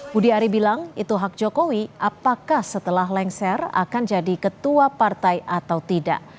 budi ari bilang itu hak jokowi apakah setelah lengser akan jadi ketua partai atau tidak